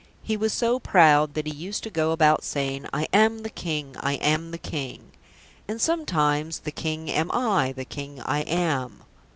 He was so proud that he used to go about saying, "I am the King. I am the King." And sometimes, "The King am I. The King I am."